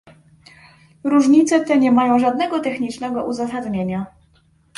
Różnice te nie mają żadnego technicznego uzasadnienia